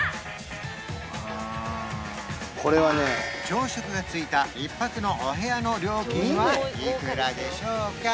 朝食が付いた１泊のお部屋の料金はいくらでしょうか？